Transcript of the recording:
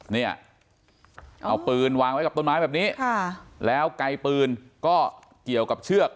เนี่ยเอาปืนวางไว้กับต้นไม้แบบนี้ค่ะแล้วไกลปืนก็เกี่ยวกับเชือก